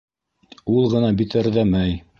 Ул ғына битәрҙәмәй.